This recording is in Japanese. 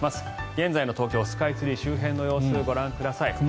現在の東京スカイツリー周辺の様子ご覧ください。